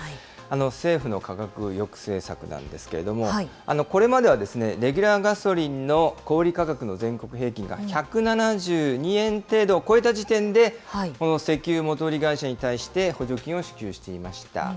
政府の価格抑制策なんですけれども、これまではですね、レギュラーガソリンの小売り価格の全国平均が１７２円程度を超えた時点で、この石油元売り会社に対して補助金を支給していました。